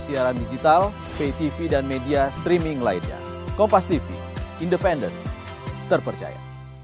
siaran digital vtv dan media streaming lainnya kompas tv independent terpercaya